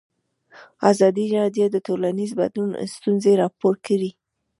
ازادي راډیو د ټولنیز بدلون ستونزې راپور کړي.